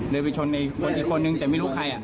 ไปชนอีกคนนึงแต่ไม่รู้ใคร